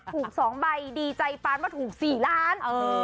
ถูก๒ใบดีใจปานว่าถูก๔ล้าน